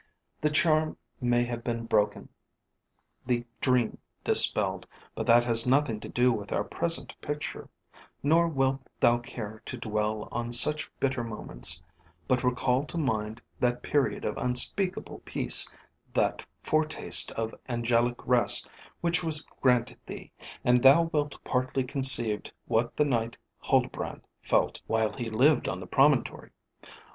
The charm may have been broken, the dream dispelled; but that has nothing to do with our present picture; nor wilt thou care to dwell on such bitter moments; but recall to mind that period of unspeakable peace, that foretaste of angelic rest which was granted thee, and thou wilt partly conceive what the Knight Huldbrand felt, while he lived on the promontory.